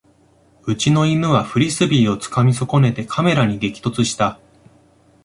うちの犬はフリスビーをつかみ損ねてカメラに激突した